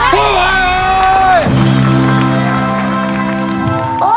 สู้ค่ะ